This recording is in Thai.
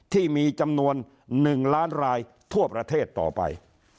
ที่มีจำนวน๑ล้านรายทั่วประเทศต่อไป